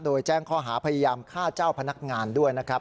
โดยแจ้งข้อหาพยายามฆ่าเจ้าพนักงานด้วยนะครับ